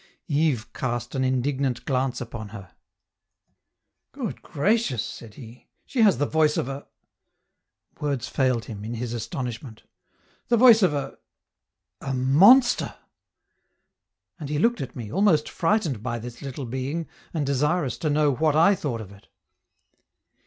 Yves cast an indignant glance upon her. "Good gracious," said he, "she has the voice of a " (words failed him, in his astonishment) "the voice of a a monster!" And he looked at me, almost frightened by this little being, and desirous to know what I thought of it.